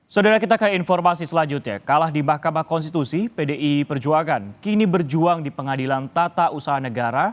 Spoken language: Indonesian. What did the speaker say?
saudara kita ke informasi selanjutnya kalah di mahkamah konstitusi pdi perjuangan kini berjuang di pengadilan tata usaha negara